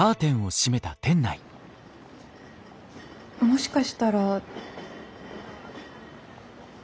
もしかしたら。